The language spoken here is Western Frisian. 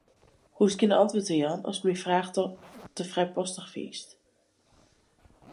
Hoechst gjin antwurd te jaan ast myn fraach te frijpostich fynst.